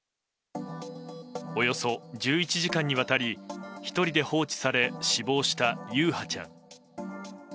およそ１１時間にわたり１人で放置され死亡した優陽ちゃん。